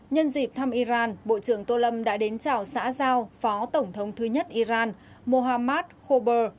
nhân dịp thăm iran bộ trưởng tô lâm đã đến chào xã giao phó tổng thống thứ nhất iran mohammad kober